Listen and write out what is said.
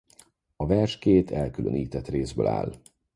A vers két elkülönített részből áll.